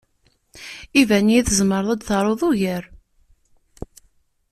Iban-iyi-d tzemreḍ ad taruḍ ugar.